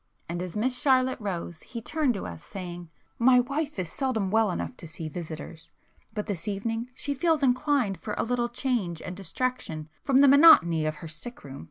And, as Miss Charlotte rose, he turned to us saying—"My wife is seldom well enough to see visitors, but this evening she feels inclined for a little change and distraction from the monotony of her sick room.